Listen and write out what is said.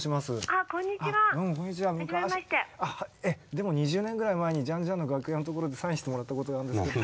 でも２０年ぐらい前にジァン・ジァンの楽屋のところでサインしてもらったことあるんですけど。